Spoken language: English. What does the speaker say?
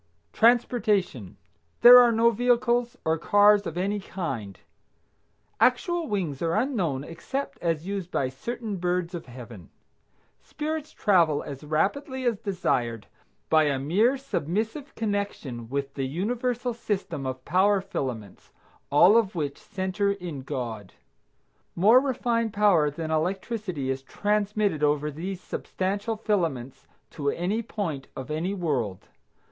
TRANSPORTATION. There are no vehicles or cars of any kind. Actual wings are unknown except as used by certain birds of Heaven. Spirits travel as rapidly as desired by a mere submissive connection with the universal system of power filaments, all of which center in God. More refined power than electricity is transmitted over these substantial filaments to any point of any world.